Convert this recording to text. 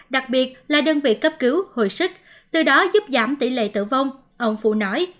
đặc biệt là đơn vị cấp cứu hồi sức từ đó giúp giảm tỷ lệ tử vong ông phu nói